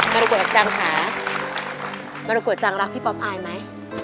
มารุโกจังค่ะมารุโกจังรักพี่ป๊อปอายไหม